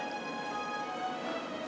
kita berdua bisa berjaya